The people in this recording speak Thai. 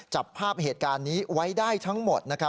จับภาพเหตุการณ์นี้ไว้ได้ทั้งหมดนะครับ